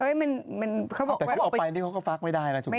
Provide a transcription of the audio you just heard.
แต่เอาไปอะนี่มันก็ฟักไม่ได้เลย